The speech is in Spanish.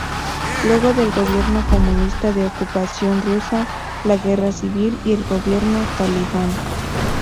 Luego del gobierno comunista de ocupación rusa, la guerra civil y el gobierno talibán.